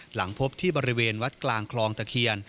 หลังพบที่บริเวณวัดกลางคลองตะเคียน